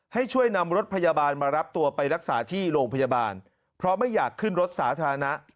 ให้ช่วยนำรถพยาบาลมารับตัวไปรักษาที่โรงพยาบาลเพราะไม่อยากขึ้นรถสาธารณะ